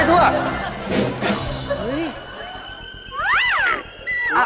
สลองนะ